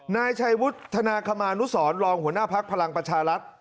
นายชัยวุฒนาคมานุสรรองหัวหน้าภักดิ์พลังประชารัฐ